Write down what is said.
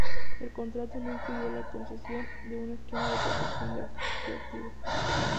El contrato no incluyó la concesión de un Esquema de Protección de Activos.